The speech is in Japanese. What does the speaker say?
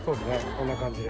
こんな感じで。